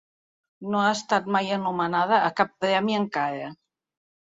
No ha estat mai anomenada a cap premi encara.